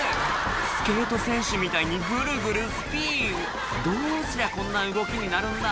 スケート選手みたいにグルグルスピンどうすりゃこんな動きになるんだ？